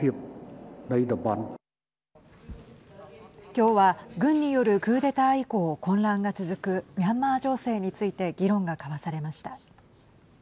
今日は軍によるクーデター以降混乱が続くミャンマー情勢について議論が交わされました。